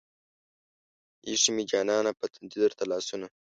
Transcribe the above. ايښې مې جانانه پۀ تندي درته لاسونه